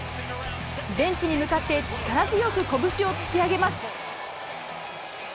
ベンチに向かって力強く拳を突き上げます。